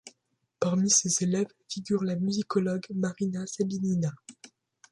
Parmi ses élèves, figure la musicologue Marina Sabinina.